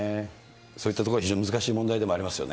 そういったところは非常に難しい問題でもありますね。